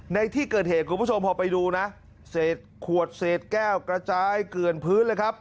ในที่เกิดเหตุคุณผู้ชมพอไปดูนะเศษขวดเศษแก้วกระจายเกลือนพื้นเลยครับ